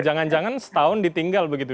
jangan jangan setahun ditinggal begitu